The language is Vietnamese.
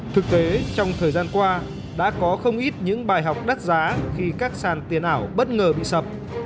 thực tế trong thời gian qua đã có không ít những bài học đắt giá khi các sàn tiền ảo bất ngờ bị sập